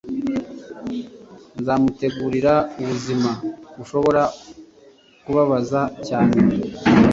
nzamutegurira ubuzima bushobora kubabaza cyane